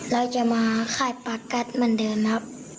เราจะมาขายปลากัดเหมือนเดิมครับ